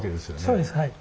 そうですはい。